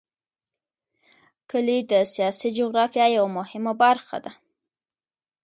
کلي د سیاسي جغرافیه یوه مهمه برخه ده.